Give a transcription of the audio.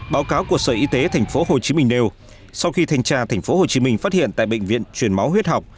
báo cáo của sở y tế tp hcm nêu sau khi thanh tra tp hcm phát hiện tại bệnh viện truyền máu huyết học